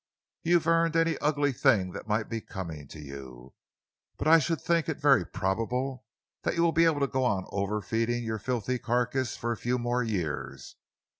"You've earned any ugly thing that might be coming to you, but I should think it very probable that you will be able to go on over feeding your filthy carcass for a few more years.